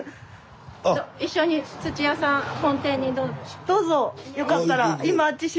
一緒に土屋さん本店にどうぞ。